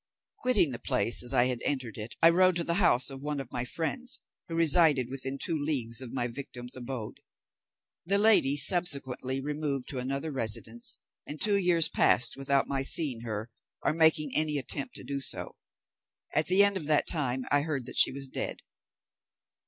Quitting the place as I had entered it, I rode to the house of one of my friends, who resided within two leagues of my victim's abode. The lady subsequently removed to another residence, and two years passed without my seeing her, or making any attempt to do so. At the end, of that time I heard that she was dead.